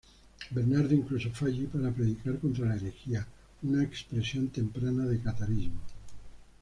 Bernardo incluso fue allí para predicar contra la herejía, una expresión temprana de catarismo.